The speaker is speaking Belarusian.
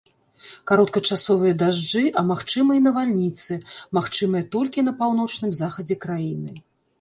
Кароткачасовыя дажджы, а магчыма і навальніцы, магчымыя толькі на паўночным захадзе краіны.